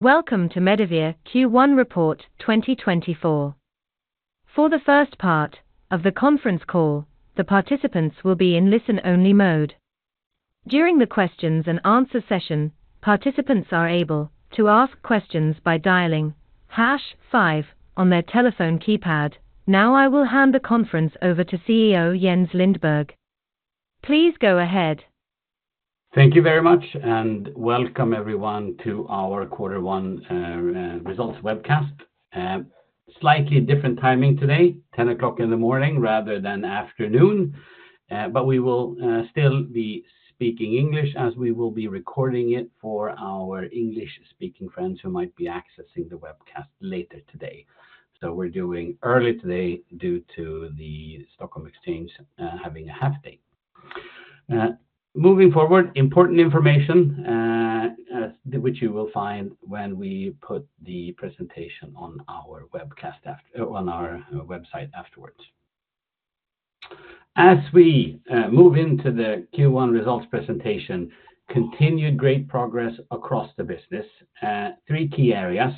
Welcome to Medivir Q1 Report 2024. For the first part of the conference call, the participants will be in listen-only mode. During the questions and answer session, participants are able to ask questions by dialing hash 5 on their telephone keypad. Now, I will hand the conference over to CEO, Jens Lindberg. Please go ahead. Thank you very much, and welcome everyone to our quarter one results webcast. Slightly different timing today, 10:00 A.M. rather than afternoon. But we will still be speaking English as we will be recording it for our English-speaking friends who might be accessing the webcast later today. So we're doing early today due to the Stockholm Exchange having a half day. Moving forward, important information, which you will find when we put the presentation on our webcast on our website afterwards. As we move into the Q1 results presentation, continued great progress across the business. Three key areas,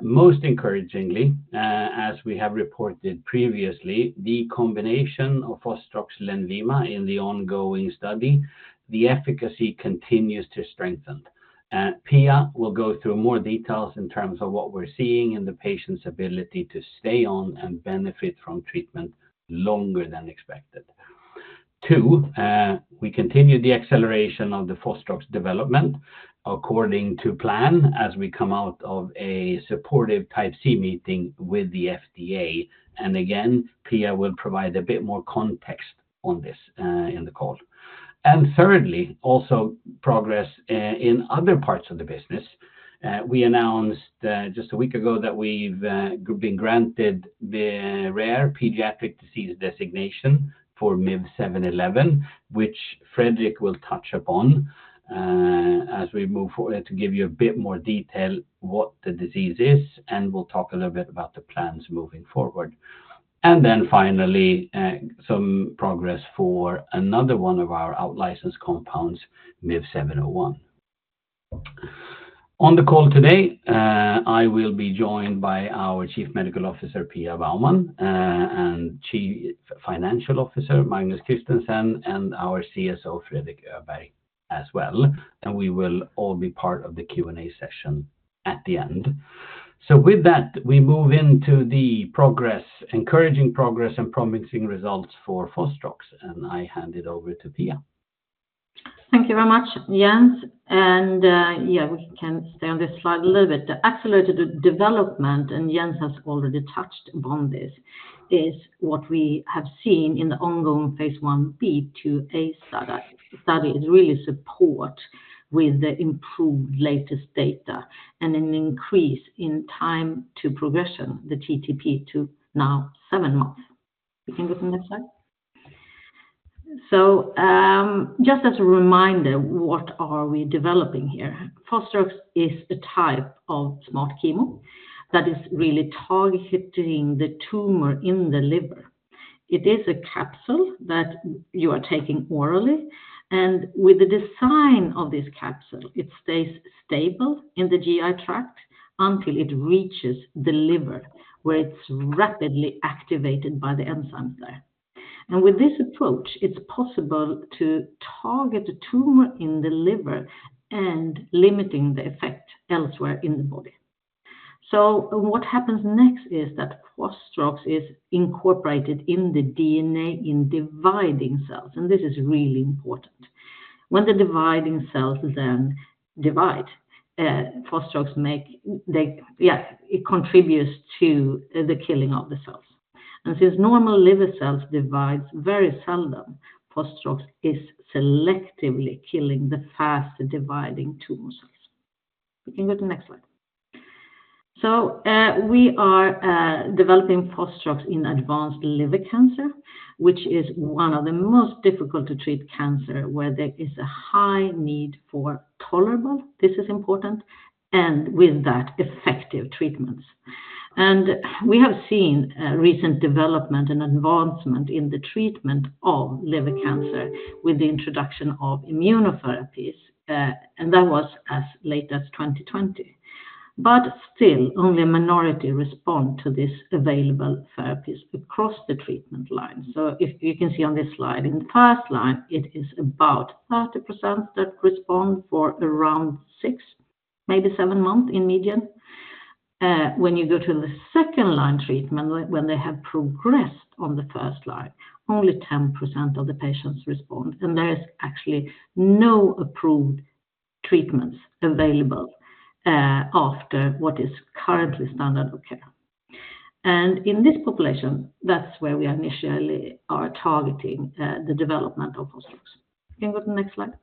most encouragingly, as we have reported previously, the combination of Fostrox Lenvima in the ongoing study, the efficacy continues to strengthen. And Pia will go through more details in terms of what we're seeing in the patient's ability to stay on and benefit from treatment longer than expected. Two, we continue the acceleration of the Fostrox development according to plan as we come out of a supportive type C meeting with the FDA. And again, Pia will provide a bit more context on this in the call. And thirdly, also progress in other parts of the business. We announced just a week ago that we've been granted the rare pediatric disease designation for MIV-711, which Fredrik will touch upon as we move forward, to give you a bit more detail what the disease is, and we'll talk a little bit about the plans moving forward. And then finally, some progress for another one of our out-licensed compounds, MIV-701. On the call today, I will be joined by our Chief Medical Officer, Pia Baumann, and Chief Financial Officer, Magnus Christensen, and our CSO, Fredrik Öberg, as well, and we will all be part of the Q&A session at the end. With that, we move into the progress, encouraging progress and promising results for Fostrox, and I hand it over to Pia. Thank you very much, Jens. And, yeah, we can stay on this slide a little bit. The accelerated development, and Jens has already touched upon this, is what we have seen in the ongoing Phase 1, b to a study. Study is really support with the improved latest data and an increase in time to progression, the TTP, to now seven months. We can go to the next slide. So, just as a reminder, what are we developing here? Fostrox is a type of smart chemo that is really targeting the tumor in the liver. It is a capsule that you are taking orally, and with the design of this capsule, it stays stable in the GI tract until it reaches the liver, where it's rapidly activated by the enzyme there. With this approach, it's possible to target the tumor in the liver and limiting the effect elsewhere in the body. So what happens next is that Fostrox is incorporated in the DNA in dividing cells, and this is really important. When the dividing cells then divide, Fostrox it contributes to the killing of the cells. And since normal liver cells divides very seldom, Fostrox is selectively killing the faster-dividing tumor cells. We can go to the next slide. So, we are developing Fostrox in advanced liver cancer, which is one of the most difficult to treat cancer, where there is a high need for tolerable, this is important, and with that, effective treatments. And we have seen a recent development and advancement in the treatment of liver cancer with the introduction of immunotherapies, and that was as late as 2020. But still, only a minority respond to this available therapies across the treatment line. So if you can see on this slide, in the first line, it is about 30% that respond for around 6, maybe 7 months in median. When you go to the second-line treatment, when they have progressed on the first line, only 10% of the patients respond, and there is actually no approved treatments available after what is currently standard of care. And in this population, that's where we initially are targeting the development of Fostrox. You can go to the next slide.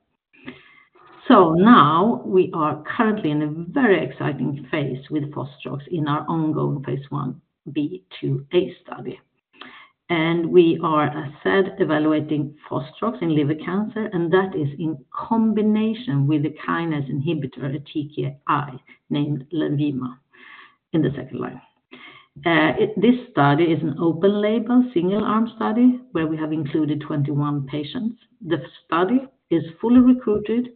So now we are currently in a very exciting Phase with Fostrox in our ongoing Phase 1, B to A study. And we are, as said, evaluating Fostrox in liver cancer, and that is in combination with a kinase inhibitor, a TKI, named Lenvima in the second line. This study is an open-label, single-arm study where we have included 21 patients. The study is fully recruited,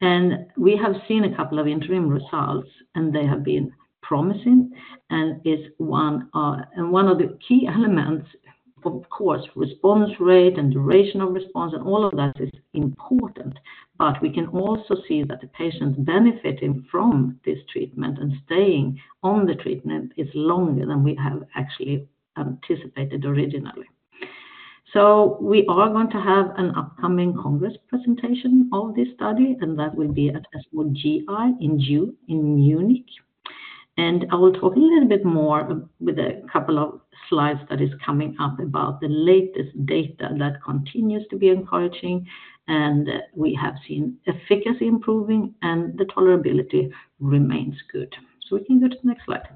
and we have seen a couple of interim results, and they have been promising, and one of the key elements, of course, response rate and duration of response and all of that is important. But we can also see that the patients benefiting from this treatment and staying on the treatment is longer than we have actually anticipated originally. So we are going to have an upcoming congress presentation of this study, and that will be at ESMO GI in June, in Munich. And I will talk a little bit more with a couple of slides that is coming up about the latest data that continues to be encouraging, and we have seen efficacy improving, and the tolerability remains good. So we can go to the next slide.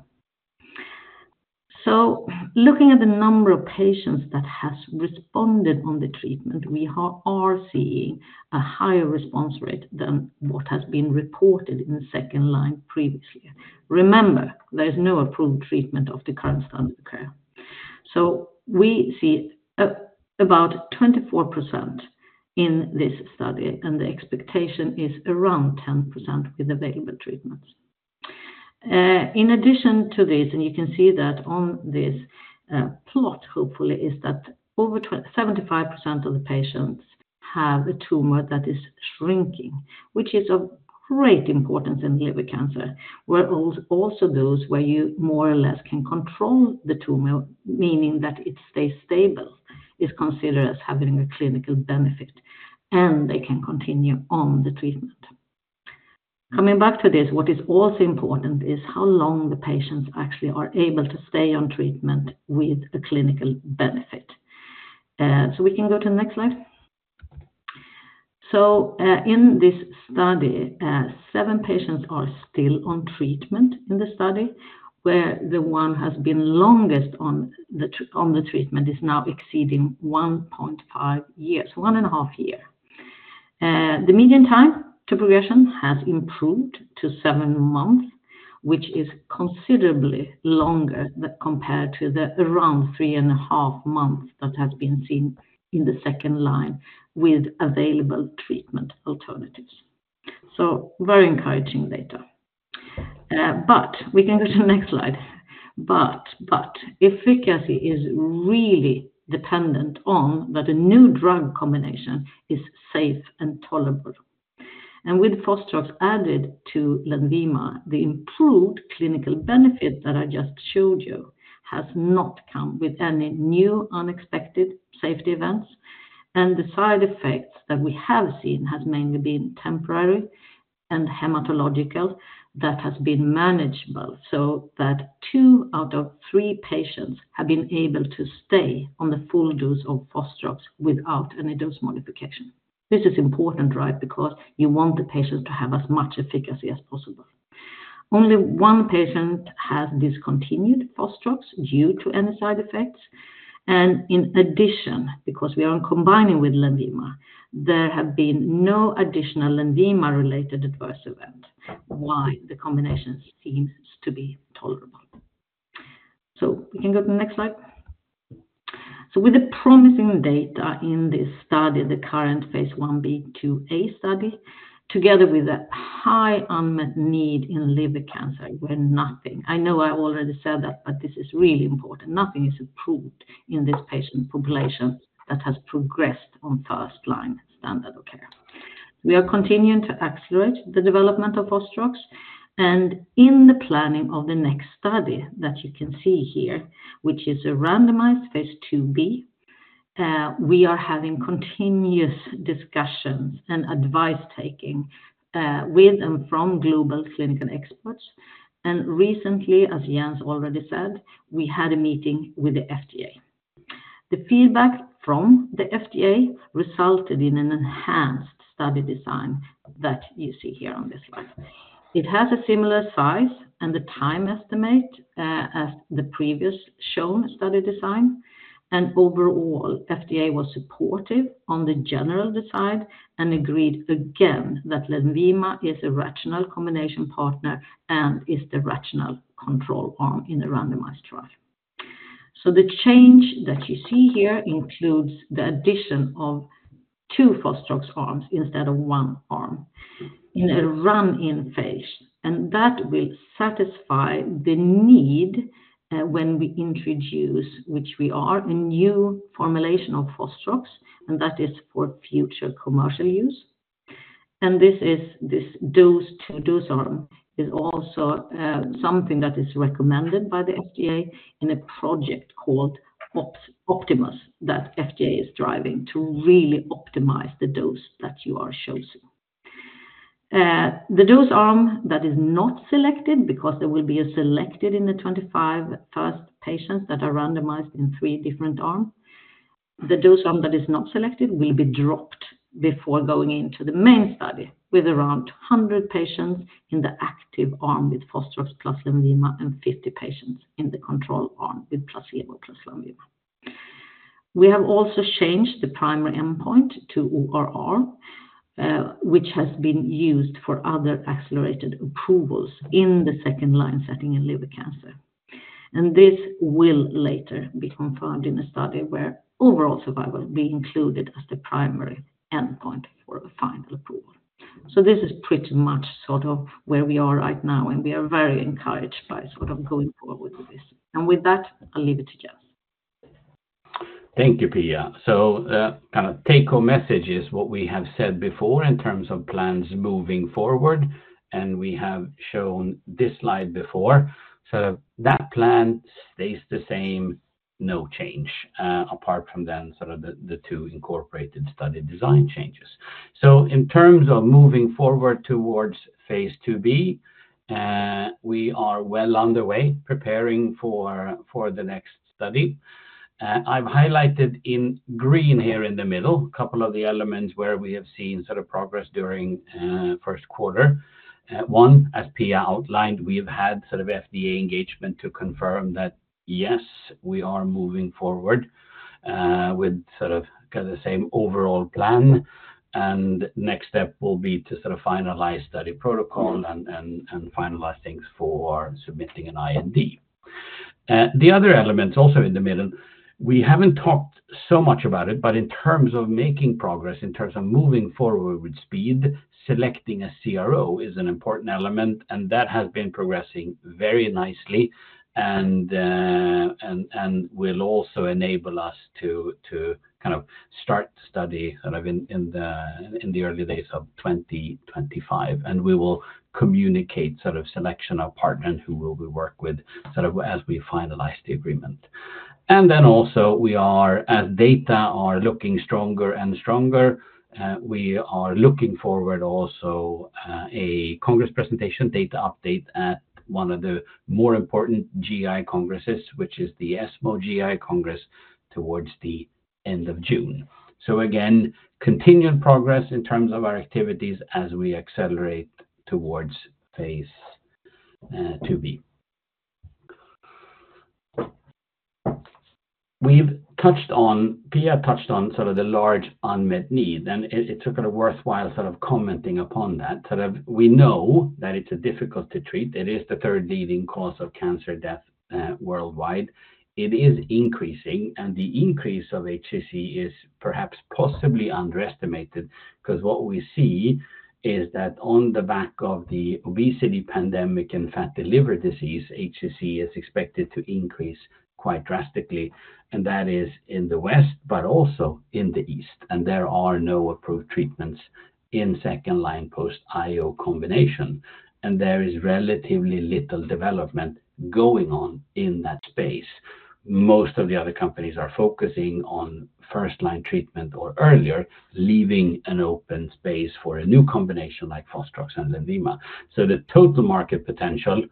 So looking at the number of patients that has responded on the treatment, we are seeing a higher response rate than what has been reported in the second line previously. Remember, there is no approved treatment of the current standard of care. So we see about 24% in this study, and the expectation is around 10% with available treatments. In addition to this, and you can see that on this plot, hopefully, is that over 75% of the patients have a tumor that is shrinking, which is of great importance in liver cancer, where also those where you more or less can control the tumor, meaning that it stays stable, is considered as having a clinical benefit, and they can continue on the treatment. Coming back to this, what is also important is how long the patients actually are able to stay on treatment with a clinical benefit. So we can go to the next slide. So, in this study, 7 patients are still on treatment in the study, where the one has been longest on the treatment is now exceeding 1.5 years, 1.5 year. The median time to progression has improved to 7 months, which is considerably longer than compared to the around 3.5 months that has been seen in the second line with available treatment alternatives. So very encouraging data. But we can go to the next slide. But, but efficacy is really dependent on that a new drug combination is safe and tolerable. And with Fostrox added to Lenvima, the improved clinical benefit that I just showed you has not come with any new unexpected safety events. And the side effects that we have seen has mainly been temporary and hematological, that has been manageable, so that two out of three patients have been able to stay on the full dose of Fostrox without any dose modification. This is important, right? Because you want the patients to have as much efficacy as possible. Only one patient has discontinued Fostrox due to any side effects, and in addition, because we are combining with Lenvima, there have been no additional Lenvima-related adverse event, why the combination seems to be tolerable. So we can go to the next slide. So with the promising data in this study, the current Phase 1b/2a study, together with a high unmet need in liver cancer, where nothing, I know I already said that, but this is really important, nothing is approved in this patient population that has progressed on first-line standard of care. We are continuing to accelerate the development of Fostrox, and in the planning of the next study that you can see here, which is a randomized Phase 2b, we are having continuous discussions and advice taking, with and from global clinical experts. And recently, as Jens already said, we had a meeting with the FDA. The feedback from the FDA resulted in an enhanced study design that you see here on this slide. It has a similar size and the time estimate as the previous shown study design, and overall, FDA was supportive on the general design and agreed again that Lenvima is a rational combination partner and is the rational control arm in the randomized trial. So the change that you see here includes the addition of two Fostrox arms instead of one arm in a run-in Phase, and that will satisfy the need when we introduce, which we are, a new formulation of Fostrox, and that is for future commercial use. And this is, this dose to dose arm is also something that is recommended by the FDA in a project called Optimus, that FDA is driving to really optimize the dose that you are chosen. The dose arm that is not selected, because there will be a selected in the 25 first patients that are randomized in three different arms. The dose arm that is not selected will be dropped before going into the main study, with around 100 patients in the active arm with Fostrox plus Lenvima and 50 patients in the control arm with placebo plus Lenvima... We have also changed the primary endpoint to ORR, which has been used for other accelerated approvals in the second line setting in liver cancer. This will later be confirmed in a study where overall survival will be included as the primary endpoint for the final approval. This is pretty much sort of where we are right now, and we are very encouraged by sort of going forward with this. With that, I'll leave it to Jens. Thank you, Pia. So, kind of take-home message is what we have said before in terms of plans moving forward, and we have shown this slide before. So that plan stays the same, no change, apart from then sort of the two incorporated study design changes. So in terms of moving forward towards Phase IIb, we are well underway, preparing for the next study. I've highlighted in green here in the middle, a couple of the elements where we have seen sort of progress during Q1. One, as Pia outlined, we have had sort of FDA engagement to confirm that, yes, we are moving forward, with sort of kinda the same overall plan, and next step will be to sort of finalize study protocol and finalize things for submitting an IND. The other elements also in the middle, we haven't talked so much about it, but in terms of making progress, in terms of moving forward with speed, selecting a CRO is an important element, and that has been progressing very nicely, and will also enable us to kind of start the study sort of in the early days of 2025. And we will communicate sort of selection of partner who will we work with, sort of as we finalize the agreement. And then also, we are as data are looking stronger and stronger, we are looking forward also, a congress presentation data update at one of the more important GI congresses, which is the ESMO GI Congress, towards the end of June. So again, continued progress in terms of our activities as we accelerate towards Phase IIb. Pia touched on sort of the large unmet need, and it, it's sort of worthwhile sort of commenting upon that. Sort of we know that it's difficult to treat. It is the third leading cause of cancer death worldwide. It is increasing, and the increase of HCC is perhaps possibly underestimated, 'cause what we see is that on the back of the obesity pandemic and fatty liver disease, HCC is expected to increase quite drastically, and that is in the West, but also in the East, and there are no approved treatments in second-line post-IO combination, and there is relatively little development going on in that space. Most of the other companies are focusing on first-line treatment or earlier, leaving an open space for a new combination like Fostrox and Lenvima. So the total market potential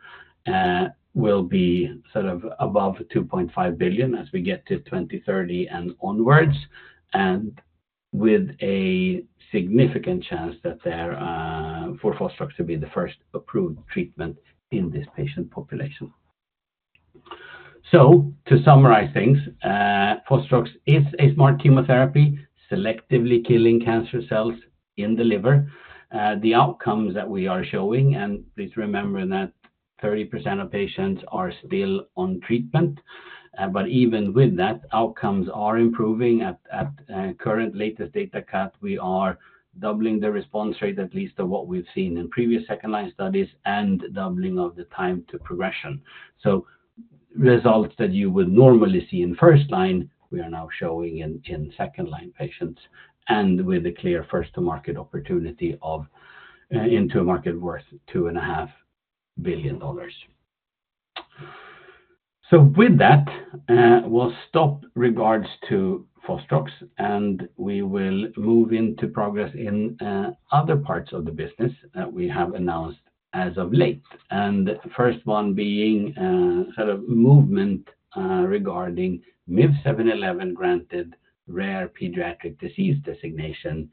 will be sort of above $2.5 billion as we get to 2030 and onwards, and with a significant chance that there for Fostrox to be the first approved treatment in this patient population. So to summarize things, Fostrox is a smart chemotherapy, selectively killing cancer cells in the liver. The outcomes that we are showing, and please remember that 30% of patients are still on treatment, but even with that, outcomes are improving. At current latest data cut, we are doubling the response rate, at least of what we've seen in previous second-line studies, and doubling of the time to progression. Results that you would normally see in first line, we are now showing in second-line patients, and with a clear first-to-market opportunity of into a market worth $2.5 billion. So with that, we'll stop regards to Fostrox, and we will move into progress in other parts of the business that we have announced as of late. And the first one being sort of movement regarding MIV-711 granted rare pediatric disease designation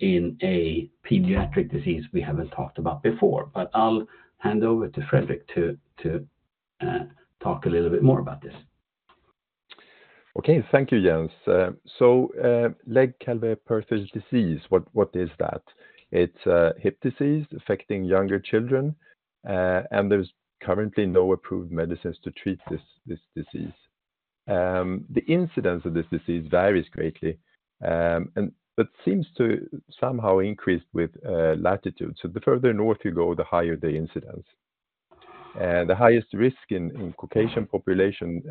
in a pediatric disease we haven't talked about before, but I'll hand over to Fredrik to talk a little bit more about this. Okay. Thank you, Jens. So, Legg-Calvé-Perthes disease, what, what is that? It's a hip disease affecting younger children, and there's currently no approved medicines to treat this, this disease. The incidence of this disease varies greatly, and but seems to somehow increase with latitude. So the further north you go, the higher the incidence. The highest risk in, in Caucasian population,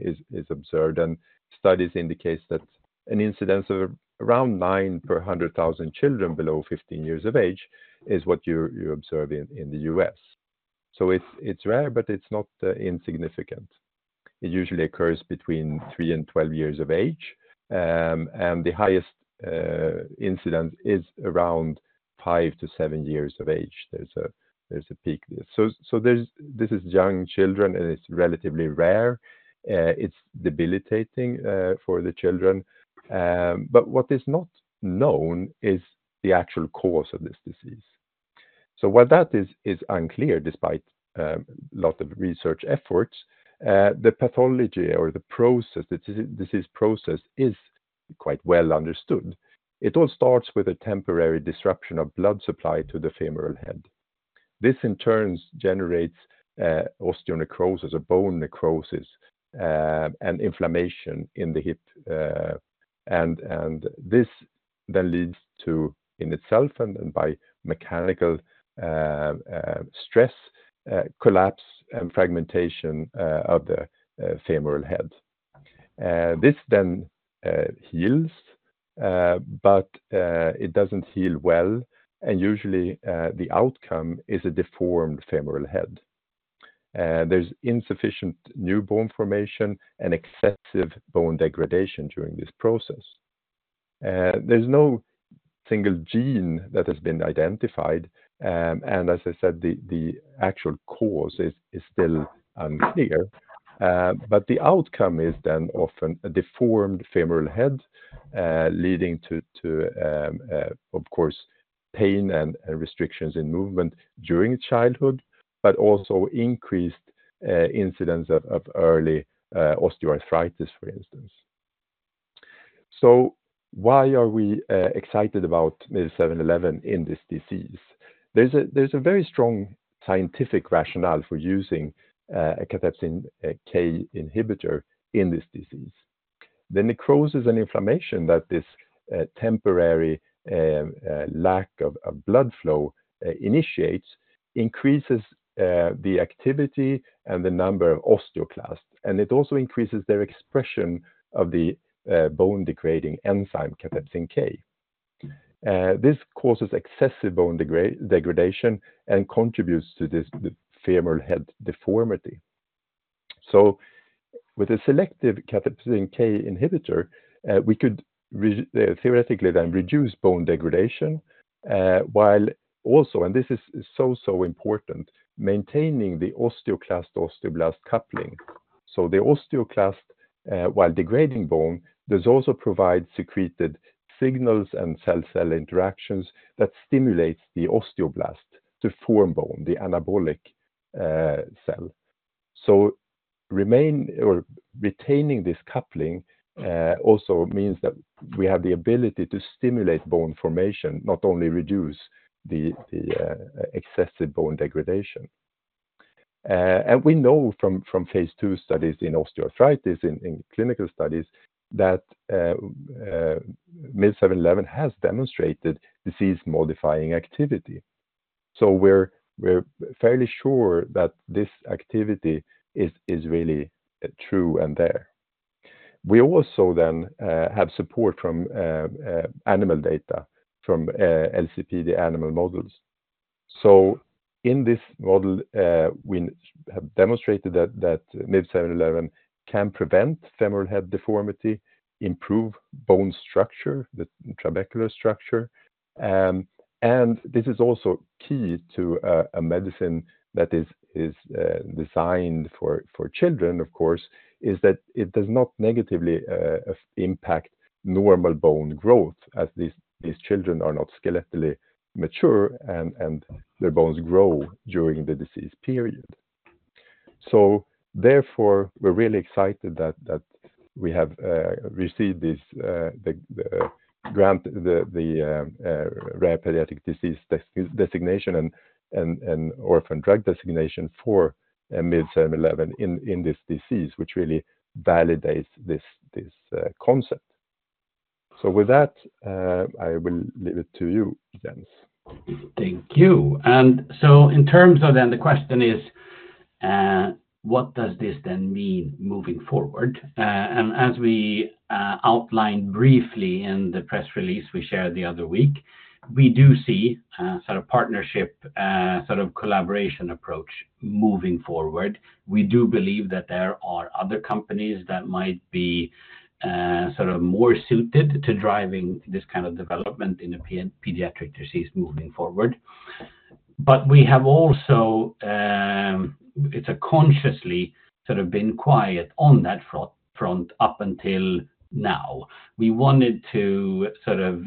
is, is observed, and studies indicate that an incidence of around 9 per 100,000 children below 15 years of age is what you, you observe in, in the US. So it's, it's rare, but it's not insignificant. It usually occurs between 3 and 12 years of age, and the highest, incidence is around 5 to 7 years of age. There's a, there's a peak there. So this is young children, and it's relatively rare, it's debilitating for the children, but what is not known is the actual cause of this disease. So while that is unclear despite lot of research efforts, the pathology or the process, the disease process is quite well understood. It all starts with a temporary disruption of blood supply to the femoral head. This in turn generates osteonecrosis or bone necrosis, and inflammation in the hip. And this then leads to, in itself and by mechanical stress, collapse and fragmentation of the femoral head. This then heals, but it doesn't heal well, and usually the outcome is a deformed femoral head. There's insufficient new bone formation and excessive bone degradation during this process. There's no single gene that has been identified, and as I said, the actual cause is still unclear. But the outcome is then often a deformed femoral head, leading to, of course, pain and restrictions in movement during childhood, but also increased incidence of early osteoarthritis, for instance. So why are we excited about MIV-711 in this disease? There's a very strong scientific rationale for using a cathepsin K inhibitor in this disease. The necrosis and inflammation that this temporary lack of blood flow initiates increases the activity and the number of osteoclasts, and it also increases their expression of the bone-degrading enzyme, cathepsin K. This causes excessive bone degradation and contributes to the femoral head deformity. So with a selective cathepsin K inhibitor, we could theoretically then reduce bone degradation, while also, and this is so, so important, maintaining the osteoclast, osteoblast coupling. So the osteoclast, while degrading bone, does also provide secreted signals and cell-cell interactions that stimulates the osteoblast to form bone, the anabolic cell. So remain or retaining this coupling, also means that we have the ability to stimulate bone formation, not only reduce the excessive bone degradation. And we know from Phase 2 studies in osteoarthritis, in clinical studies, that MIV-711 has demonstrated disease-modifying activity. So we're fairly sure that this activity is really true and there. We also then have support from animal data, from LCP, the animal models. So in this model, we have demonstrated that MIV-711 can prevent femoral head deformity, improve bone structure, the trabecular structure. And this is also key to a medicine that is designed for children, of course, is that it does not negatively impact normal bone growth, as these children are not skeletally mature, and their bones grow during the disease period. So therefore, we're really excited that we have received this, the grant, the rare pediatric disease designation and orphan drug designation for MIV-711 in this disease, which really validates this concept. So with that, I will leave it to you, Jens. Thank you. So in terms of then the question is, what does this then mean moving forward? And as we outlined briefly in the press release we shared the other week, we do see sort of partnership sort of collaboration approach moving forward. We do believe that there are other companies that might be sort of more suited to driving this kind of development in a pediatric disease moving forward. But we have also consciously sort of been quiet on that front up until now. We wanted to sort of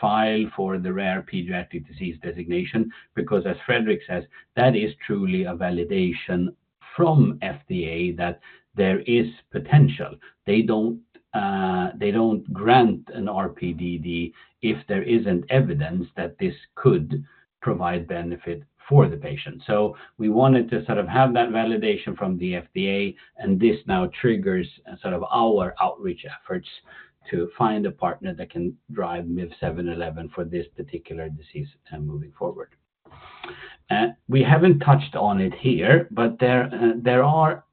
file for the rare pediatric disease designation, because as Fredrik says, that is truly a validation from FDA that there is potential. They don't they don't grant an RPDD if there isn't evidence that this could provide benefit for the patient. So we wanted to sort of have that validation from the FDA, and this now triggers sort of our outreach efforts to find a partner that can drive MIV-711 for this particular disease, moving forward. We haven't touched on it here, but there, there are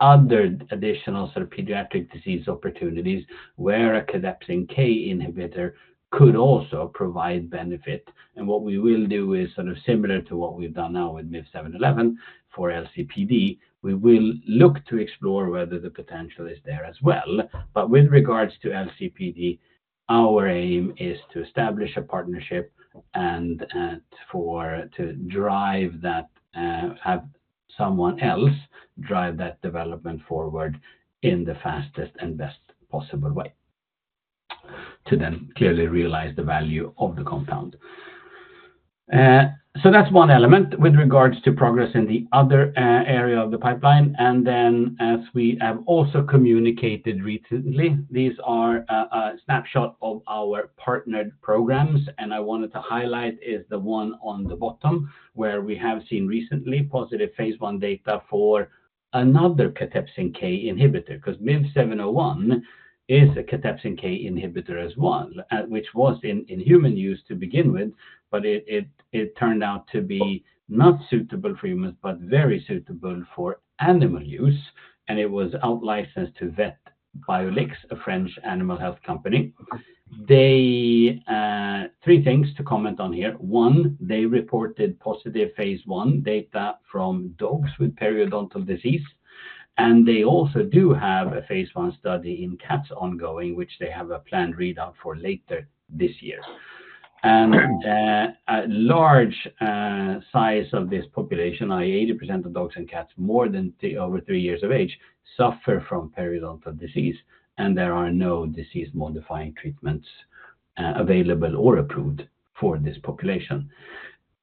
other additional sort of pediatric disease opportunities where a cathepsin K inhibitor could also provide benefit. And what we will do is sort of similar to what we've done now with MIV-711 for LCPD. We will look to explore whether the potential is there as well. But with regards to LCPD, our aim is to establish a partnership and, for-- to drive that, have someone else drive that development forward in the fastest and best possible way... to then clearly realize the value of the compound. So that's one element with regards to progress in the other area of the pipeline. And then as we have also communicated recently, these are a snapshot of our partnered programs, and I wanted to highlight is the one on the bottom, where we have seen recently positive Phase 1 data for another cathepsin K inhibitor, because MIV-701 is a cathepsin K inhibitor as well, which was in human use to begin with, but it turned out to be not suitable for humans, but very suitable for animal use, and it was out-licensed to VetBiolix, a French animal health company. They three things to comment on here. One, they reported positive Phase one data from dogs with periodontal disease, and they also do have a Phase one study in cats ongoing, which they have a planned readout for later this year. A large size of this population, i.e., 80% of dogs and cats over three years of age, suffer from periodontal disease, and there are no disease-modifying treatments available or approved for this population.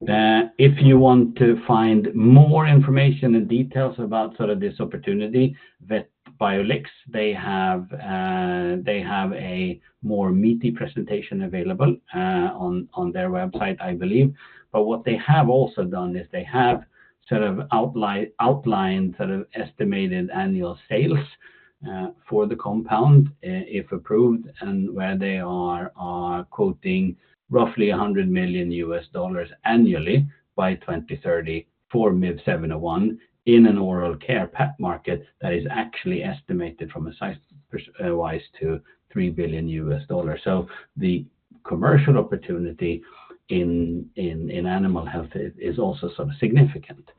If you want to find more information and details about sort of this opportunity, VetBiolix, they have, they have a more meaty presentation available on their website, I believe. But what they have also done is they have sort of outlined sort of estimated annual sales for the compound, if approved, and where they are quoting roughly $100 million annually by 2030 for MIV-701 in an oral care pet market that is actually estimated, size-wise, to $3 billion. So the commercial opportunity in animal health is also sort of significant.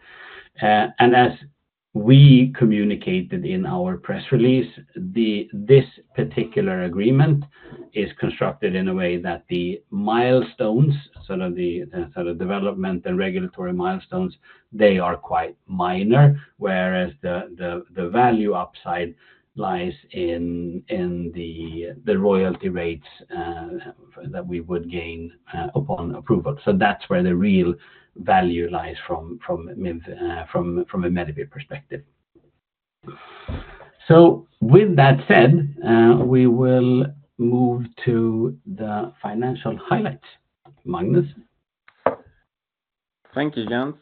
And as we communicated in our press release, this particular agreement is constructed in a way that the milestones, sort of the development and regulatory milestones, they are quite minor, whereas the value upside lies in the royalty rates that we would gain upon approval. So that's where the real value lies from MIV- from a Medivir perspective. So with that said, we will move to the financial highlights. Magnus? Thank you, Jens.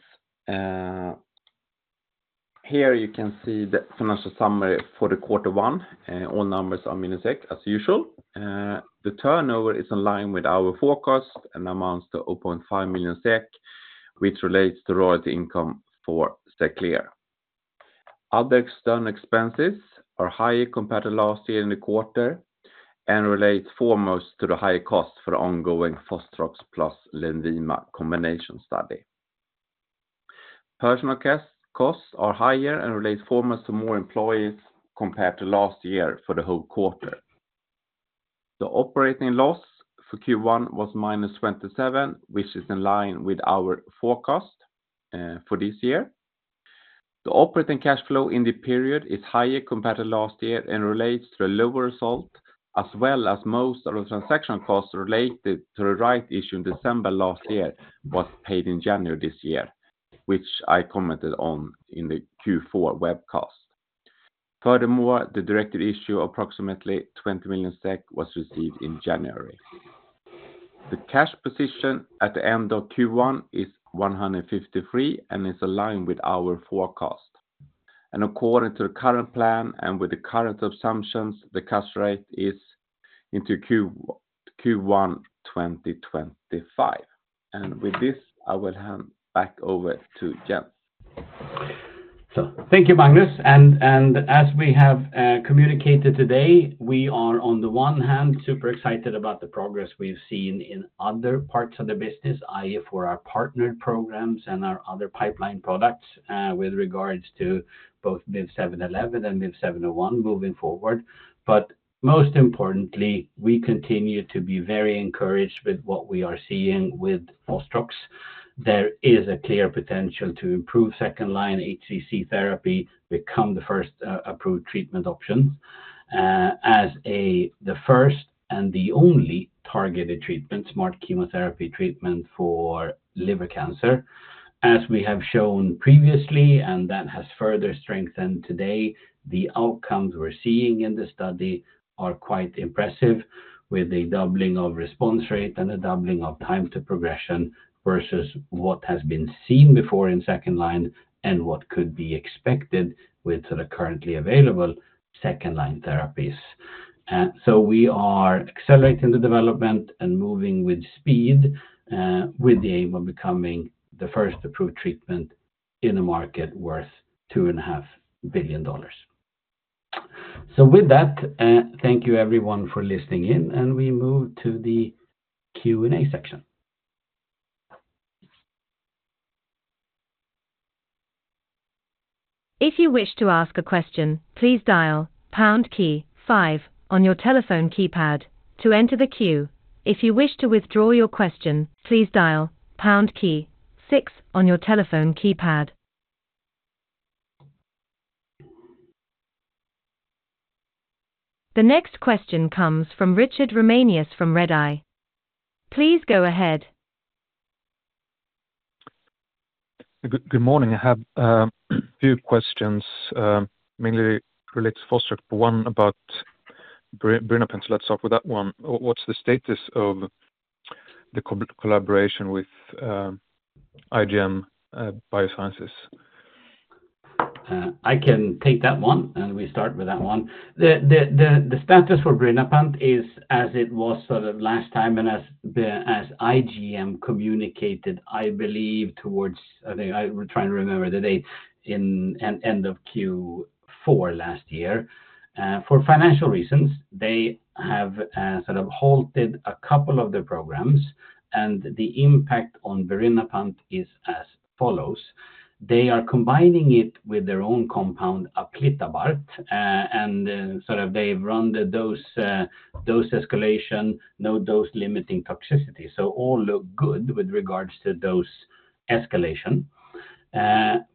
Here you can see the financial summary for the quarter one, all numbers are million SEK, as usual. The turnover is in line with our forecast and amounts to 0.5 million SEK, which relates to royalty income for Xerclear. Other external expenses are higher compared to last year in the quarter, and relates foremost to the higher cost for the ongoing Fostrox plus Lenvima combination study. Personnel costs are higher and relate foremost to more employees compared to last year for the whole quarter. The operating loss for Q1 was -27 million SEK, which is in line with our forecast for this year. The operating cash flow in the period is higher compared to last year and relates to a lower result, as well as most of the transaction costs related to the right issue in December last year, was paid in January this year, which I commented on in the Q4 webcast. Furthermore, the directed issue, approximately 20 million SEK, was received in January. The cash position at the end of Q1 is 153 million, and is in line with our forecast. According to the current plan and with the current assumptions, the cash rate is into Q1 2025. With this, I will hand back over to Jens. So thank you, Magnus. And as we have communicated today, we are on the one hand, super excited about the progress we've seen in other parts of the business, i.e., for our partnered programs and our other pipeline products, with regards to both MIV-711 and MIV-701 moving forward. But most importantly, we continue to be very encouraged with what we are seeing with Fostrox. There is a clear potential to improve second-line HCC therapy, become the first approved treatment option, as the first and the only targeted treatment, smart chemotherapy treatment for liver cancer. As we have shown previously, and that has further strengthened today, the outcomes we're seeing in the study are quite impressive, with a doubling of response rate and a doubling of time to progression versus what has been seen before in second line, and what could be expected with sort of currently available second-line therapies. So we are accelerating the development and moving with speed, with the aim of becoming the first approved treatment in a market worth $2.5 billion. So with that, thank you everyone for listening in, and we move to the Q&A section. If you wish to ask a question, please dial pound key five on your telephone keypad to enter the queue. If you wish to withdraw your question, please dial pound key six on your telephone keypad.... The next question comes from Richard Romanius from RedEye. Please go ahead. Good morning. I have a few questions, mainly relates to fostrox, one about birinapant. Let's start with that one. What's the status of the collaboration with IGM Biosciences? I can take that one, and we start with that one. The status for birinapant is as it was sort of last time, and as IGM communicated, I believe, towards the end of Q4 last year. For financial reasons, they have sort of halted a couple of their programs, and the impact on birinapant is as follows: They are combining it with their own compound, aplitabart, and then sort of they've run the dose escalation, no dose limiting toxicity. So all look good with regards to dose escalation.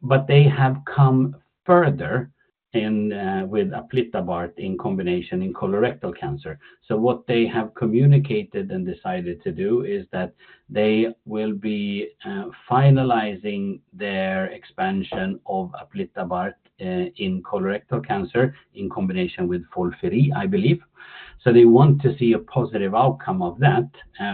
But they have come further in with aplitabart in combination in colorectal cancer. So what they have communicated and decided to do is that they will be finalizing their expansion of aplitabart in colorectal cancer in combination with FOLFIRI, I believe. So they want to see a positive outcome of that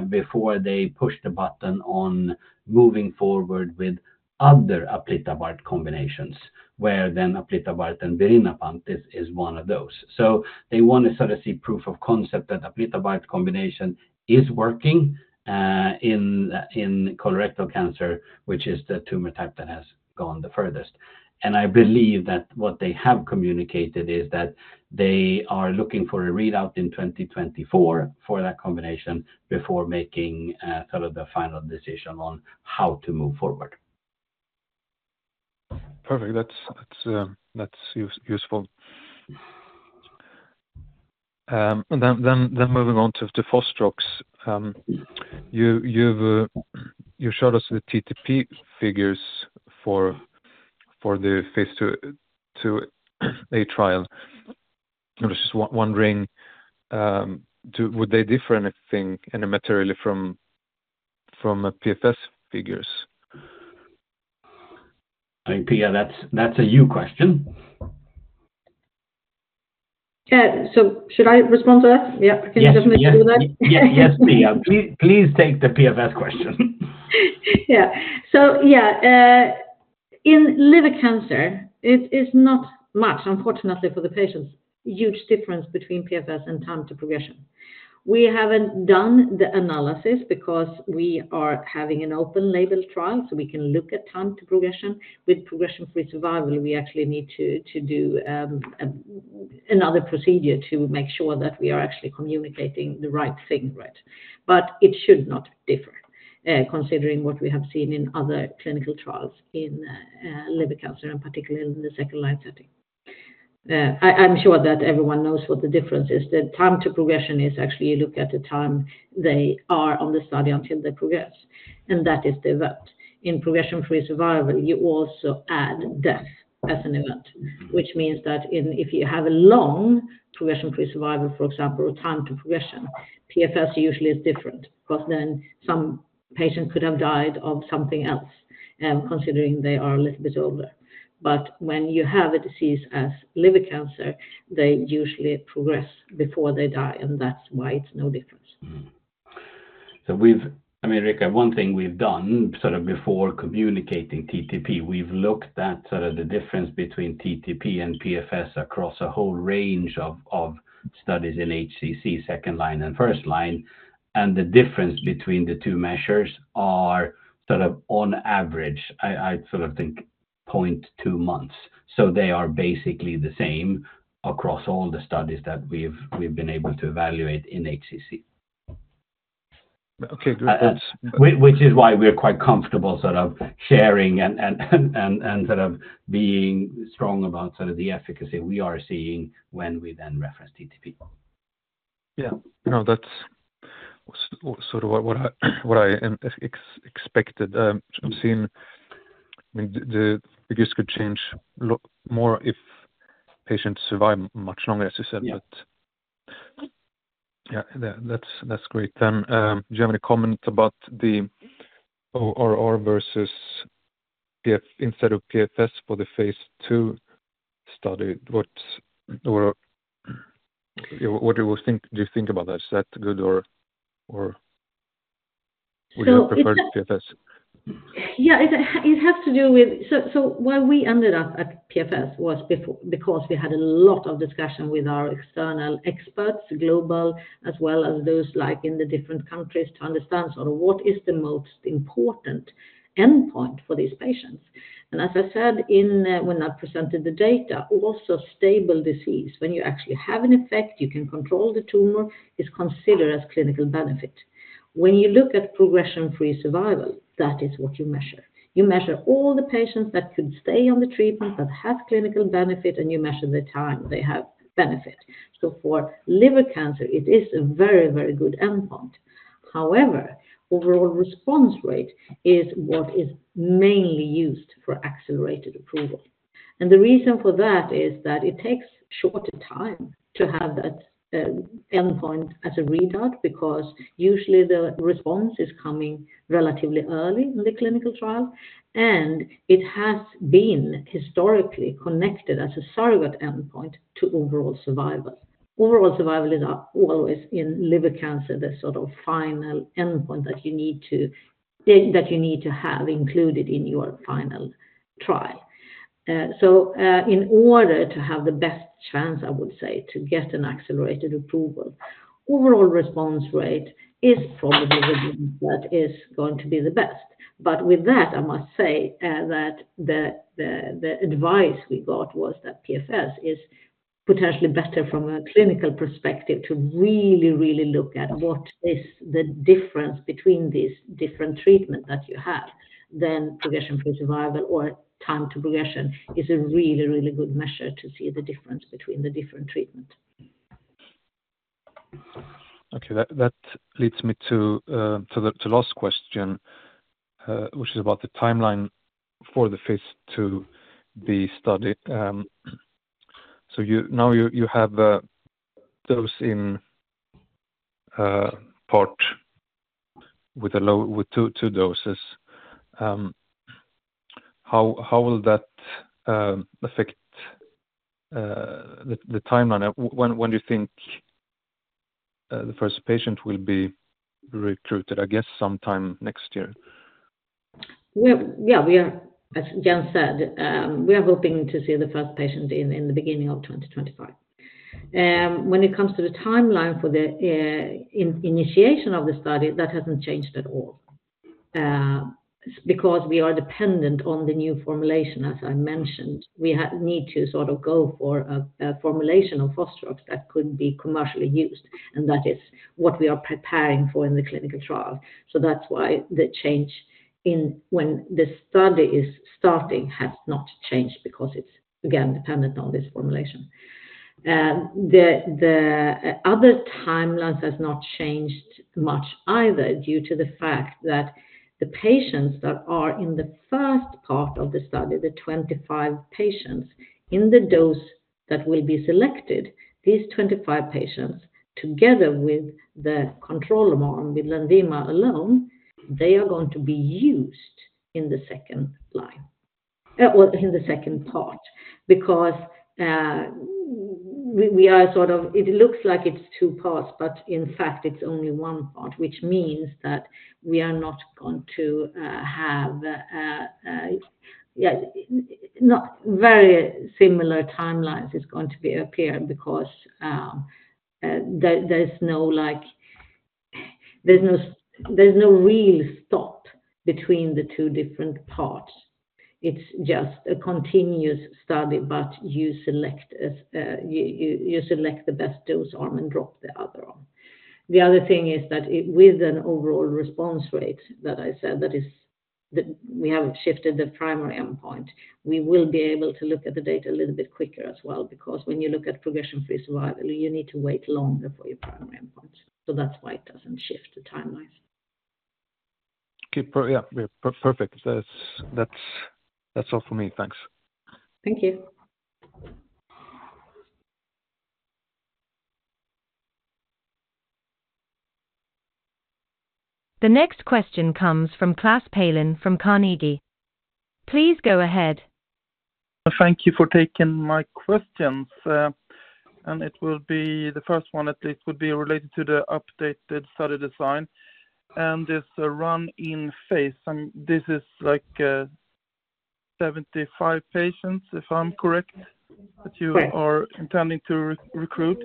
before they push the button on moving forward with other aplitabart combinations, where then aplitabart and birinapant is one of those. So they want to sort of see proof of concept that aplitabart combination is working in colorectal cancer, which is the tumor type that has gone the furthest. And I believe that what they have communicated is that they are looking for a readout in 2024 for that combination before making sort of the final decision on how to move forward. Perfect. That's useful. Then moving on to Fostrox. You've shown us the TTP figures for the Phase 2a trial. I was just wondering, would they differ anything materially from the PFS figures? I think, Pia, that's a you question. Yeah, so should I respond to that? Yeah, can you definitely do that? Yes, yes, Pia. Please take the PFS question. Yeah. So yeah, in liver cancer, it is not much, unfortunately for the patients, huge difference between PFS and time to progression. We haven't done the analysis because we are having an open label trial, so we can look at time to progression. With progression-free survival, we actually need to do another procedure to make sure that we are actually communicating the right thing, right. But it should not differ, considering what we have seen in other clinical trials in liver cancer, and particularly in the second line setting. I'm sure that everyone knows what the difference is. The time to progression is actually you look at the time they are on the study until they progress, and that is the event. In progression-free survival, you also add death as an event, which means that if you have a long progression-free survival, for example, time to progression, PFS usually is different, because then some patients could have died of something else, considering they are a little bit older. But when you have a disease as liver cancer, they usually progress before they die, and that's why it's no difference. Mm-hmm. So we've, I mean, Rica, one thing we've done sort of before communicating TTP, we've looked at sort of the difference between TTP and PFS across a whole range of, of studies in HCC, second line and first line, and the difference between the two measures are sort of on average, I, I sort of think 0.2 months. So they are basically the same across all the studies that we've, we've been able to evaluate in HCC. Okay, good. which is why we are quite comfortable sort of sharing and sort of being strong about sort of the efficacy we are seeing when we then reference TTP. Yeah. No, that's sort of what I, what I am expected to have seen. I mean, the figures could change a lot more if patients survive much longer, as you said. Yeah. But yeah, that's great. Do you have any comments about the ORR versus PFS instead of PFS for the Phase 2 study? What do you think about that? Is that good, or would you prefer PFS? Yeah, it has to do with... So why we ended up at PFS was because we had a lot of discussion with our external experts, global, as well as those like in the different countries, to understand sort of what is the most important endpoint for these patients. And as I said, when I presented the data, also stable disease. When you actually have an effect, you can control the tumor, is considered as clinical benefit. When you look at progression-free survival, that is what you measure. You measure all the patients that could stay on the treatment, that have clinical benefit, and you measure the time they have benefit. So for liver cancer, it is a very, very good endpoint. However, overall response rate is what is mainly used for accelerated approval.... The reason for that is that it takes shorter time to have that, endpoint as a readout, because usually the response is coming relatively early in the clinical trial, and it has been historically connected as a surrogate endpoint to overall survival. Overall survival is, always in liver cancer, the sort of final endpoint that you need to have included in your final trial. So, in order to have the best chance, I would say, to get an accelerated approval, overall response rate is probably what is going to be the best. But with that, I must say, that the advice we got was that PFS is potentially better from a clinical perspective to really, really look at what is the difference between these different treatment that you have than progression-free survival or time to progression is a really, really good measure to see the difference between the different treatment. Okay, that leads me to the last question, which is about the timeline for the Phase two study. So now you have those in part with two doses. How will that affect the timeline? When do you think the first patient will be recruited? I guess, sometime next year. Well, yeah, we are, as Jens said, we are hoping to see the first patient in the beginning of 2025. When it comes to the timeline for the initiation of the study, that hasn't changed at all. Because we are dependent on the new formulation, as I mentioned, we need to sort of go for a formulation of Fostrox that could be commercially used, and that is what we are preparing for in the clinical trial. So that's why the change in when the study is starting has not changed because it's, again, dependent on this formulation. The other timelines has not changed much either, due to the fact that the patients that are in the first part of the study, the 25 patients in the dose that will be selected, these 25 patients, together with the control arm, with Lenvima alone, they are going to be used in the second line. Well, in the second part, because we are sort of it looks like it's two parts, but in fact, it's only one part, which means that we are not going to have a, yeah, not very similar timelines is going to be appeared because there's no like... There's no real stop between the two different parts. It's just a continuous study, but you select the best dose arm and drop the other arm. The other thing is that with an overall response rate that I said, that is, that we haven't shifted the primary endpoint, we will be able to look at the data a little bit quicker as well, because when you look at progression-free survival, you need to wait longer for your primary endpoint. So that's why it doesn't shift the timelines. Okay, yeah, perfect. That's, that's, that's all for me. Thanks. Thank you. The next question comes from Clas Palén from Carnegie. Please go ahead. Thank you for taking my questions. It will be the first one, at least, would be related to the updated study design and this, run-in Phase. This is like, 75 patients, if I'm correct- Yes. -that you are intending to re-recruit.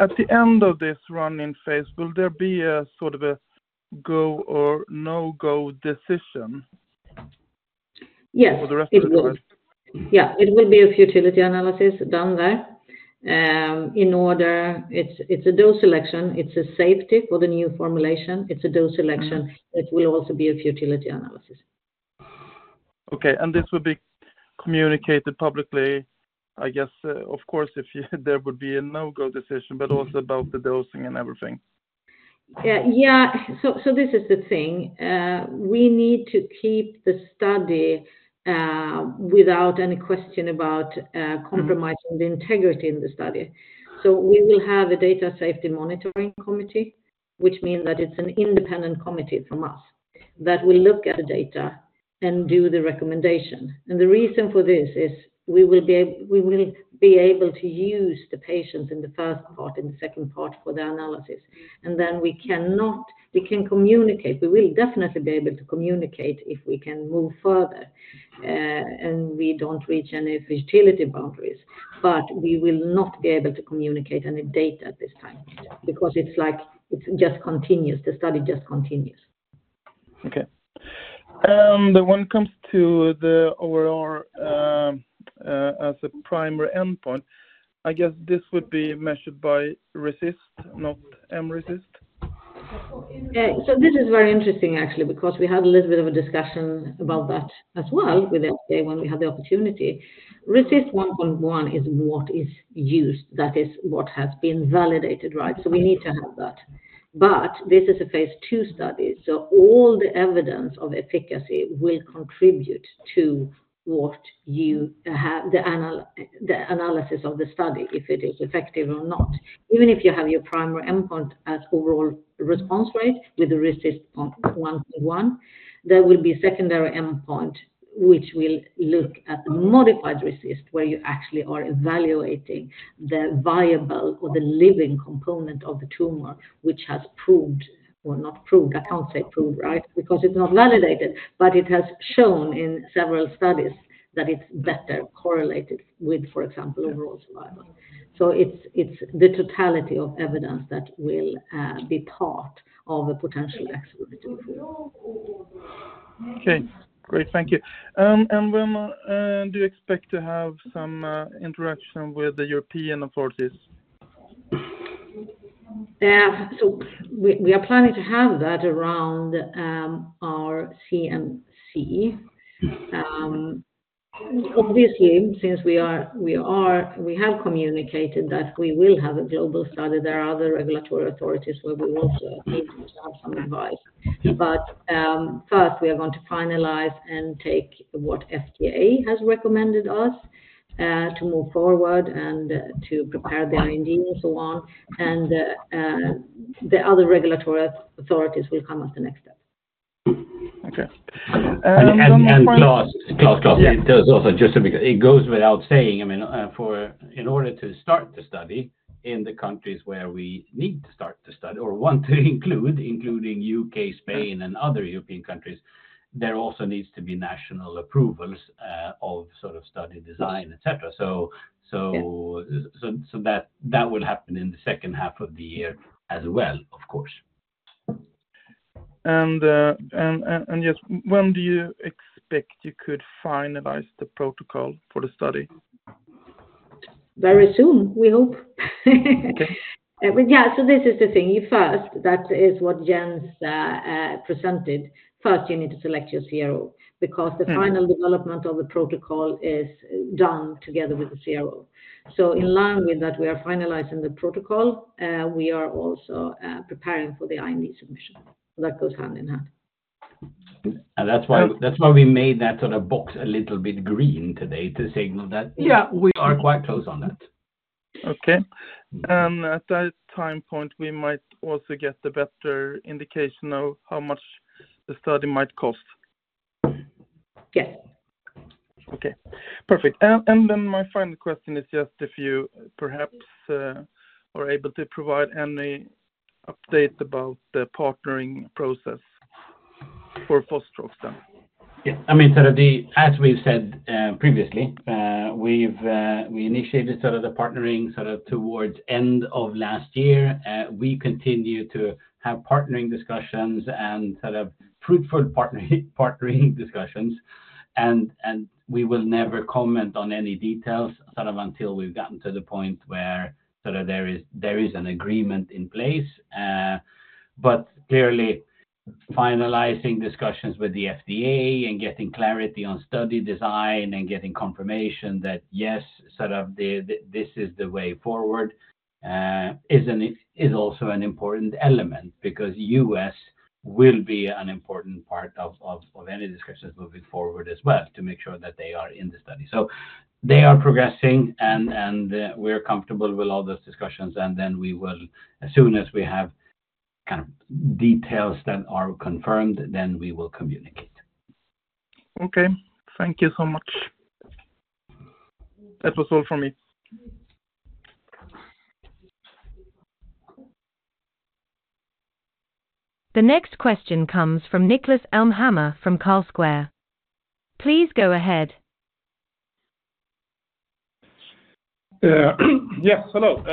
At the end of this run-in Phase, will there be a sort of a go or no-go decision? Yes, it will. For the rest of the part? Yeah, it will be a futility analysis done there. It's a dose selection, it's a safety for the new formulation, it's a dose selection. Mm-hmm. It will also be a futility analysis. Okay, and this would be communicated publicly, I guess, of course, if you there would be a no-go decision, but also about the dosing and everything. Yeah. So, so this is the thing, we need to keep the study, without any question about, Mm-hmm... compromising the integrity in the study. So we will have a data safety monitoring committee, which means that it's an independent committee from us, that will look at the data and do the recommendation. The reason for this is we will be able to use the patients in the first part and the second part for the analysis. Then we cannot, we can communicate, we will definitely be able to communicate if we can move further, and we don't reach any futility boundaries, but we will not be able to communicate any data at this time because it's like, it just continues. The study just continues. Okay. When it comes to the OR, as a primary endpoint, I guess this would be measured by RECIST, not mRECIST? So this is very interesting, actually, because we had a little bit of a discussion about that as well with the FDA when we had the opportunity. RECIST 1.1 is what is used, that is what has been validated, right? So we need to have that. But this is a Phase 2 study, so all the evidence of efficacy will contribute to what you have, the analysis of the study, if it is effective or not. Even if you have your primary endpoint as overall response rate with the RECIST 1.1, there will be secondary endpoint, which will look at the modified RECIST, where you actually are evaluating the viable or the living component of the tumor, which has proved or not proved. I can't say proved, right? Because it's not validated, but it has shown in several studies that it's better correlated with, for example, overall survival. So it's, it's the totality of evidence that will be part of a potential accelerated approval. Okay, great. Thank you. And when do you expect to have some interaction with the European authorities? So we are planning to have that around our CMC. Obviously, since we have communicated that we will have a global study, there are other regulatory authorities where we will also need to have some advice. But first, we are going to finalize and take what FDA has recommended us to move forward and to prepare the IND and so on. The other regulatory authorities will come at the next step. Okay. Clas, just because it goes without saying, I mean, in order to start the study in the countries where we need to start the study or want to include, including UK, Spain, and other European countries, there also needs to be national approvals, of sort of study design, et cetera. So, Yes... so that will happen in the second half of the year as well, of course. Yes, when do you expect you could finalize the protocol for the study? Very soon, we hope. Okay. But yeah, so this is the thing. First, that is what Jens presented. First, you need to select your CRO, because- Mm The final development of the protocol is done together with the CRO. So in line with that, we are finalizing the protocol. We are also preparing for the IND submission. That goes hand in hand. That's why, that's why we made that sort of box a little bit green today, to signal that- Yeah We are quite close on that. Okay. And at that time point, we might also get a better indication of how much the study might cost? Yes. Okay, perfect. And then my final question is just if you perhaps are able to provide any update about the partnering process for fostrox. Yeah, I mean, sort of. As we've said, previously, we've we initiated sort of the partnering sort of towards end of last year. We continue to have partnering discussions and sort of fruitful partnering discussions, and we will never comment on any details, sort of, until we've gotten to the point where sort of there is an agreement in place. But clearly, finalizing discussions with the FDA and getting clarity on study design and getting confirmation that, yes, sort of, this is the way forward, is also an important element because U.S. will be an important part of any discussions moving forward as well, to make sure that they are in the study. So they are progressing and we're comfortable with all those discussions, and then we will, as soon as we have kind of details that are confirmed, then we will communicate. Okay. Thank you so much. That was all for me. The next question comes from Niklas Elmhammer, from Carlsquare. Please go ahead. Yes, hello.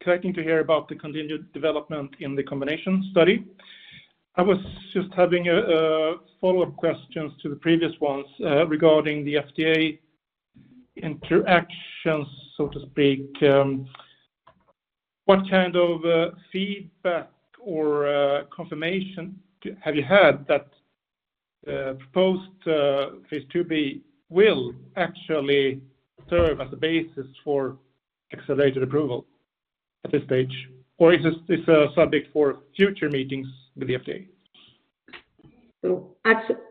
Connecting to hear about the continued development in the combination study. I was just having a follow-up questions to the previous ones, regarding the FDA interactions, so to speak. What kind of feedback or confirmation have you had that proposed Phase two B will actually serve as a basis for accelerated approval at this stage? Or is this subject for future meetings with the FDA? So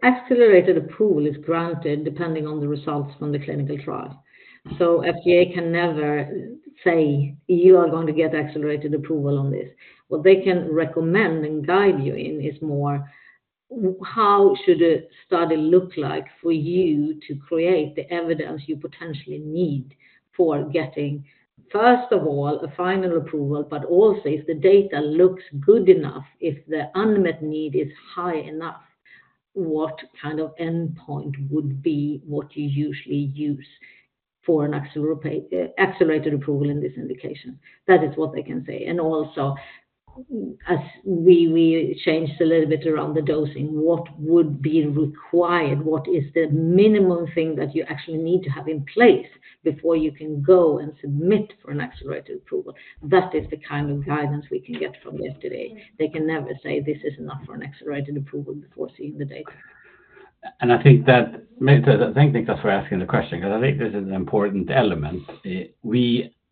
accelerated approval is granted depending on the results from the clinical trial. So FDA can never say you are going to get accelerated approval on this. What they can recommend and guide you in is more, how should a study look like for you to create the evidence you potentially need for getting, first of all, a final approval, but also if the data looks good enough, if the unmet need is high enough, what kind of endpoint would be what you usually use for an accelerated approval in this indication? That is what they can say. And also, as we changed a little bit around the dosing, what would be required? What is the minimum thing that you actually need to have in place before you can go and submit for an accelerated approval? That is the kind of guidance we can get from the FDA. They can never say this is enough for an accelerated approval before seeing the data. I think that, maybe thank you, thank you for asking the question, because I think this is an important element.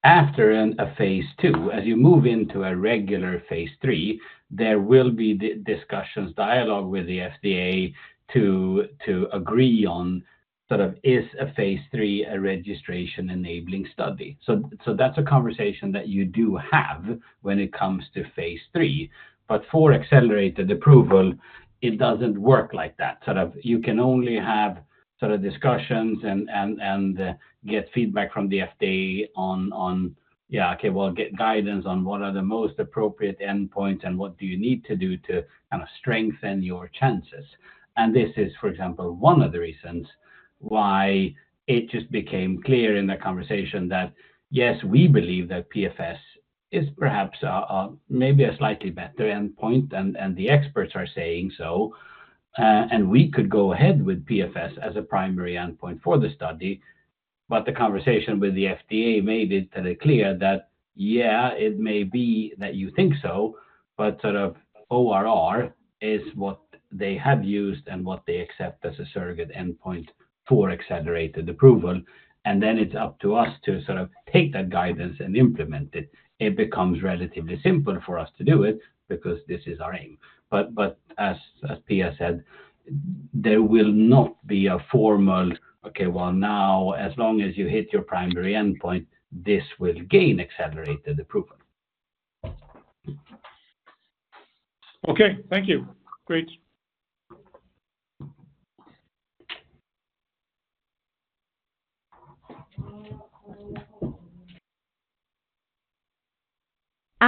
After in a Phase 2, as you move into a regular Phase 3, there will be discussions, dialogue with the FDA to, to agree on sort of is a Phase 3, a registration enabling study. So, so that's a conversation that you do have when it comes to Phase 3. But for accelerated approval, it doesn't work like that. Sort of, you can only have sort of discussions and get feedback from the FDA on, on yeah, okay, well, get guidance on what are the most appropriate endpoints and what do you need to do to kind of strengthen your chances. And this is, for example, one of the reasons why it just became clear in the conversation that, yes, we believe that PFS is perhaps, maybe a slightly better endpoint, and the experts are saying so. And we could go ahead with PFS as a primary endpoint for the study, but the conversation with the FDA made it clear that, yeah, it may be that you think so, but sort of ORR is what they have used and what they accept as a surrogate endpoint for accelerated approval. And then it's up to us to sort of take that guidance and implement it. It becomes relatively simple for us to do it because this is our aim. But as Pia said, there will not be a formal, okay, well, now, as long as you hit your primary endpoint, this will gain accelerated approval. Okay, thank you. Great.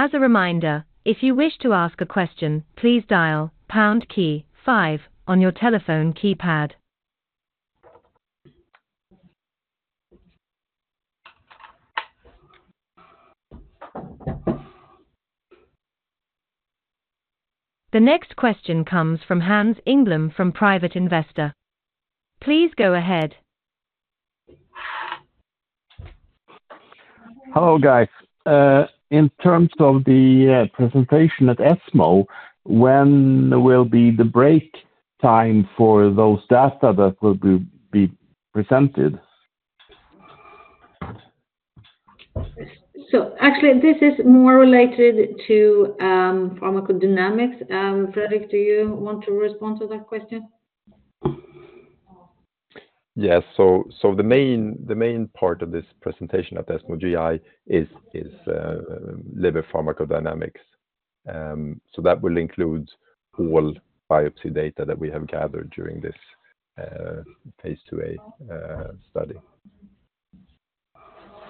As a reminder, if you wish to ask a question, please dial pound key five on your telephone keypad. The next question comes from Hans Englund from private investor. Please go ahead. Hello, guys. In terms of the presentation at ESMO, when will be the break time for those data that will be presented? Actually, this is more related to pharmacodynamics. Fredrik, do you want to respond to that question? Yes. So, the main part of this presentation at ESMO GI is liver pharmacodynamics. So that will include all biopsy data that we have gathered during this Phase 2a study.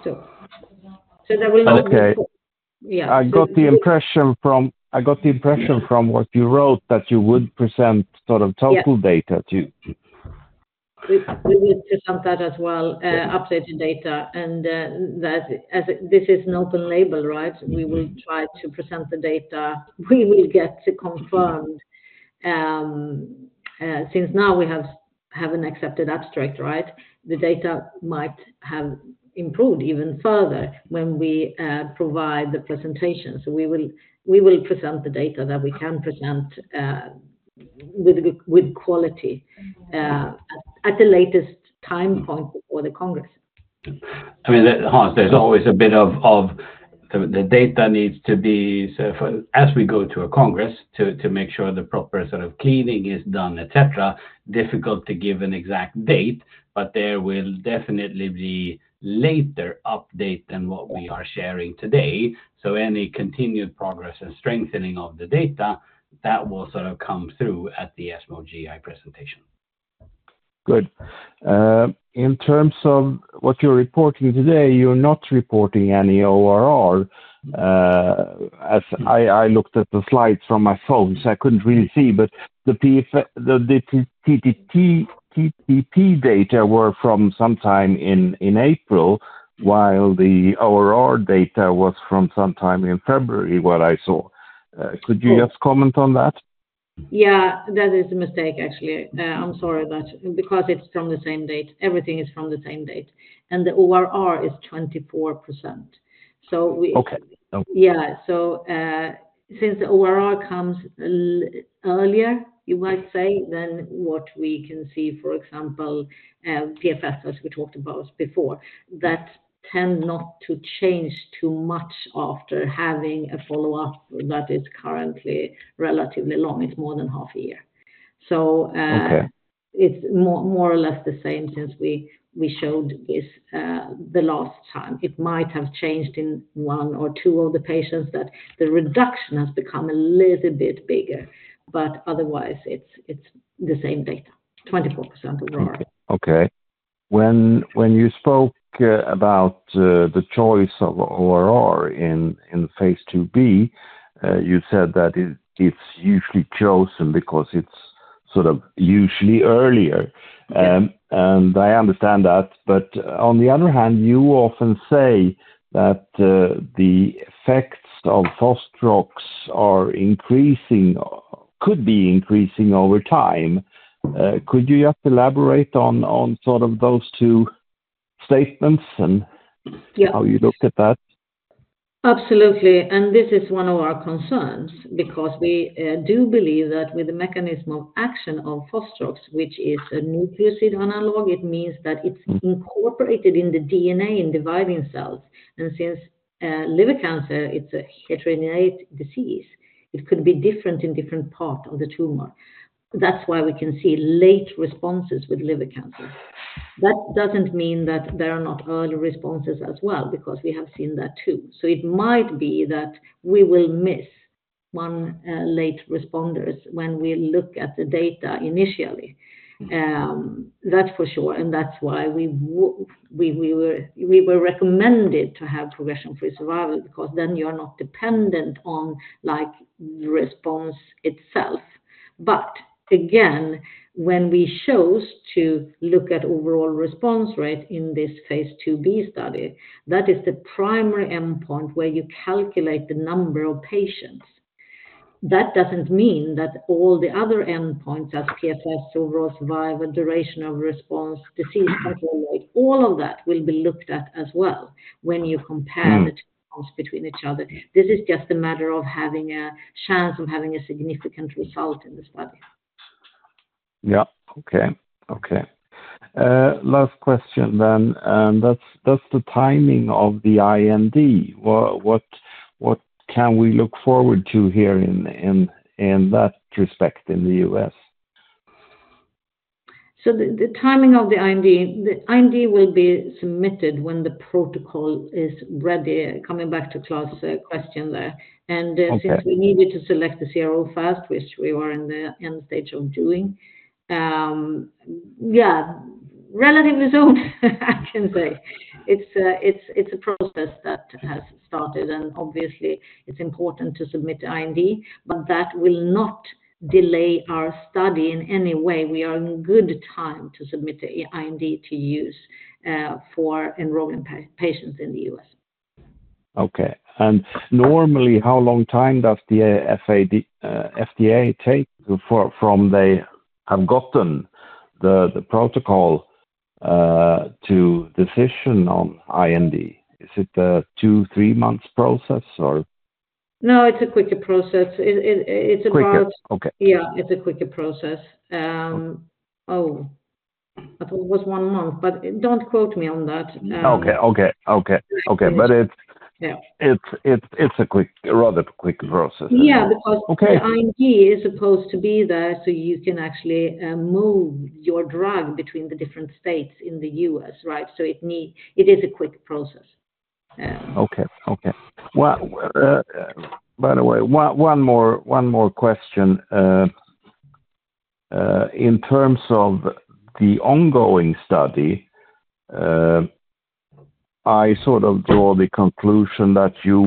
So there will not- Okay. Yeah. I got the impression from what you wrote that you would present sort of total- Yeah -data to... We would present that as well, updated data, and that as this is an open label, right? We will try to present the data. We will get to confirmed, since now we have an accepted abstract, right? The data might have improved even further when we provide the presentation. So we will present the data that we can present, with quality, at the latest time point for the Congress. I mean, Hans, there's always a bit of the data needs to be sorted for, as we go to a Congress, to make sure the proper sort of cleaning is done, et cetera. Difficult to give an exact date, but there will definitely be later update than what we are sharing today. So any continued progress and strengthening of the data, that will sort of come through at the ESMO GI presentation. Good. In terms of what you're reporting today, you're not reporting any ORR. As I looked at the slides from my phone, so I couldn't really see, but the PFS, the TTP data were from sometime in April, while the ORR data was from sometime in February, what I saw. Could you just comment on that? Yeah, that is a mistake, actually. I'm sorry, but because it's from the same date, everything is from the same date, and the ORR is 24%. So we- Okay. Yeah. So, since the ORR comes earlier, you might say, than what we can see, for example, PFS, as we talked about before, that tend not to change too much after having a follow-up that is currently relatively long. It's more than half a year. So- Okay... It's more or less the same since we showed this, the last time. It might have changed in one or two of the patients, that the reduction has become a little bit bigger, but otherwise, it's the same data, 24% ORR. Okay. When you spoke about the choice of ORR in Phase 2b, you said that it's usually chosen because it's sort of usually earlier. Yes. I understand that, but on the other hand, you often say that the effects of fostrox are increasing or could be increasing over time. Could you just elaborate on sort of those two statements and- Yeah How you look at that?... Absolutely, and this is one of our concerns, because we do believe that with the mechanism of action of Fostrox, which is a nucleoside analog, it means that it's incorporated in the DNA in dividing cells. And since liver cancer, it's a heterogeneous disease, it could be different in different parts of the tumor. That's why we can see late responses with liver cancer. That doesn't mean that there are not early responses as well, because we have seen that, too. So it might be that we will miss one late responders when we look at the data initially. That's for sure, and that's why we were recommended to have progression-free survival, because then you are not dependent on, like, the response itself. But again, when we chose to look at overall response rate in this Phase 2b study, that is the primary endpoint where you calculate the number of patients. That doesn't mean that all the other endpoints, as PFS, overall survival, duration of response, disease control rate, all of that will be looked at as well when you compare- Mm the outcomes between each other. This is just a matter of having a chance of having a significant result in the study. Yeah. Okay, okay. Last question then, and that's the timing of the IND. What can we look forward to here in that respect in the U.S.? So the timing of the IND, the IND will be submitted when the protocol is ready, coming back to Clas' question there. Okay. Since we needed to select the CRO first, which we were in the end stage of doing, yeah, relatively soon, I can say. It's a process that has started, and obviously, it's important to submit the IND, but that will not delay our study in any way. We are in good time to submit the IND to the U.S. for enrolling patients in the U.S. Okay. And normally, how long time does the FDA take from they have gotten the protocol to decision on IND? Is it a 2-3 months process, or? No, it's a quicker process. It's about- Quicker? Okay. Yeah, it's a quicker process. Oh, I thought it was one month, but don't quote me on that. Okay, okay, okay, okay. Yeah. But it's a rather quick process. Yeah, because- Okay... the IND is supposed to be there, so you can actually move your drug between the different states in the U.S., right? So it is a quick process. Okay, okay. Well, by the way, one more question. In terms of the ongoing study, I sort of draw the conclusion that you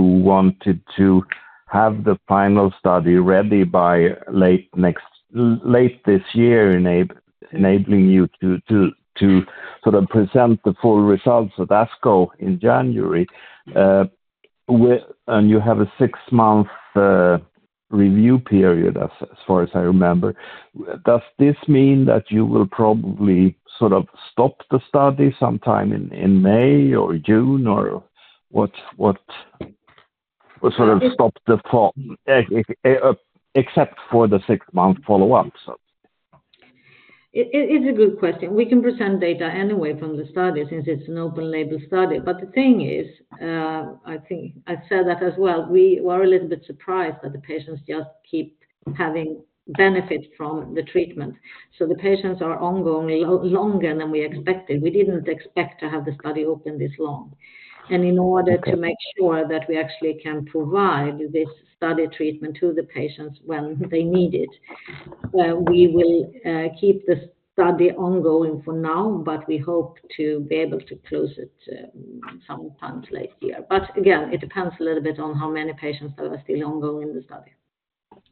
wanted to have the final study ready by late this year, enabling you to sort of present the full results at ASCO in January. And you have a six-month review period, as far as I remember. Does this mean that you will probably sort of stop the study sometime in May or June, or what- I think- Sort of stop the thought, except for the six-month follow-up, so. It's a good question. We can present data anyway from the study since it's an open label study. But the thing is, I think I said that as well, we were a little bit surprised that the patients just keep having benefit from the treatment. So the patients are ongoing longer than we expected. We didn't expect to have the study open this long. Okay. In order to make sure that we actually can provide this study treatment to the patients when they need it, we will keep the study ongoing for now, but we hope to be able to close it sometimes late year. But again, it depends a little bit on how many patients that are still ongoing in the study.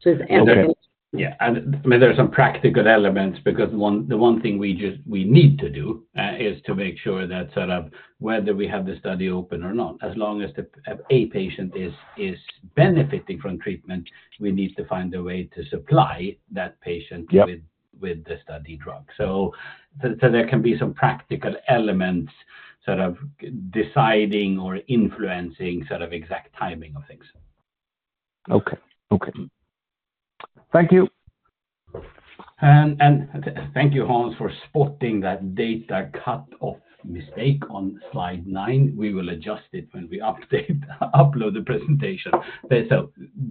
So it's ongoing. Okay. Yeah, and there are some practical elements, because the one thing we need to do is to make sure that sort of whether we have the study open or not, as long as the a patient is benefiting from treatment, we need to find a way to supply that patient- Yeah... with the study drug. So, there can be some practical elements, sort of deciding or influencing exact timing of things. Okay, okay. Thank you. Thank you, Hans, for spotting that data cut off mistake on slide 9. We will adjust it when we update, upload the presentation.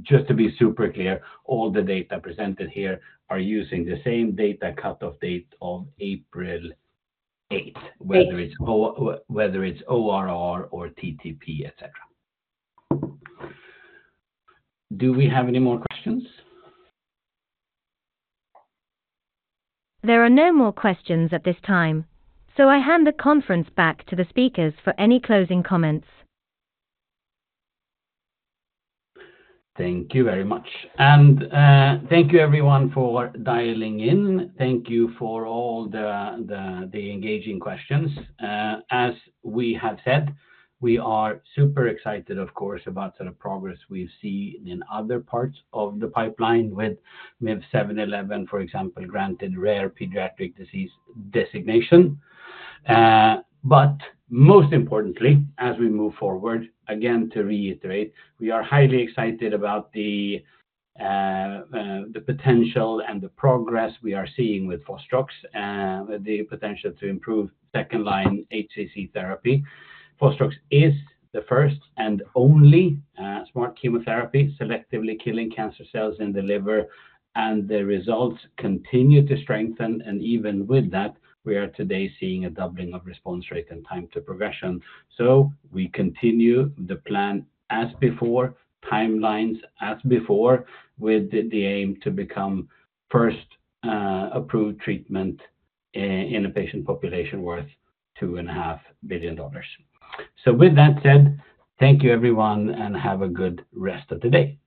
Just to be super clear, all the data presented here are using the same data cut-off date of April eighth. Eight. Whether it's ORR or TTP, et cetera. Do we have any more questions? There are no more questions at this time, so I hand the conference back to the speakers for any closing comments. Thank you very much. Thank you everyone for dialing in. Thank you for all the engaging questions. As we have said, we are super excited, of course, about the progress we've seen in other parts of the pipeline with MIV-711, for example, granted rare pediatric disease designation. But most importantly, as we move forward, again, to reiterate, we are highly excited about the potential and the progress we are seeing with Fostrox, the potential to improve second-line HCC therapy. Fostrox is the first and only smart chemotherapy, selectively killing cancer cells in the liver, and the results continue to strengthen, and even with that, we are today seeing a doubling of response rate and time to progression. So we continue the plan as before, timelines as before, with the aim to become first approved treatment in a patient population worth $2.5 billion. So with that said, thank you everyone, and have a good rest of the day.